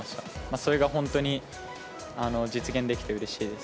それが本当に実現できてうれしいです。